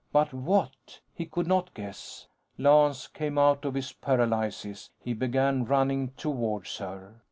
But what? He could not guess. Lance came out of his paralysis. He began running towards her.